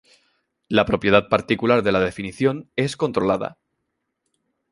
La propiedad particular de la definición es "controlada".